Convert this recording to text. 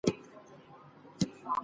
څېړونکی، د "پښتو ادب تاریخ" لیکوال.